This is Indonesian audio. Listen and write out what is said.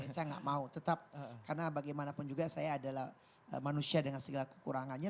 saya nggak mau tetap karena bagaimanapun juga saya adalah manusia dengan segala kekurangannya